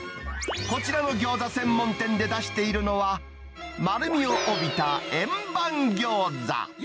こちらの餃子専門店で出しているのは、丸みを帯びた円盤餃子。